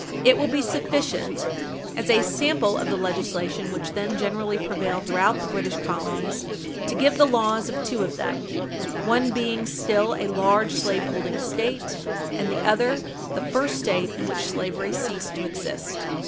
It will be sufficient, as a sample of the legislation which then generally prevailed throughout the British colonies, to give the laws of two of them, one being still a large slaveholding State and the other the first State in which slavery ceased to exist.